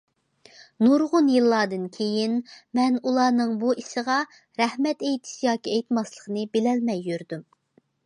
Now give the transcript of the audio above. نۇرغۇن يىللاردىن كېيىن، مەن ئۇلارنىڭ بۇ ئىشىغا رەھمەت ئېيتىش ياكى ئېيتماسلىقنى بىلەلمەي يۈردۈم.